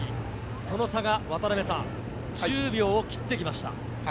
その差が１０秒を切ってきました。